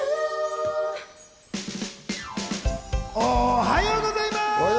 おはようございます。